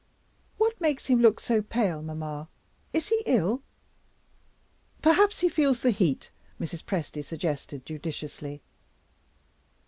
What makes him look so pale, mamma? Is he ill?" "Perhaps he feels the heat," Mrs. Presty suggested, judiciously.